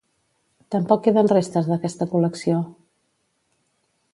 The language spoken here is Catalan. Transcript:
Tampoc queden restes d'aquesta col·lecció.